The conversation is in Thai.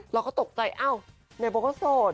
เราก็ตกใจอ้าวไหนบอกว่าโสด